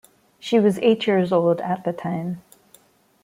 She was eight years old at the time.